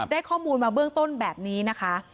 ข้อมูลมาเบื้องต้นแบบนี้นะคะ